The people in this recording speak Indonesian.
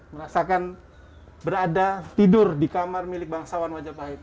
merasakan berada tidur di kamar milik bangsawan majapahit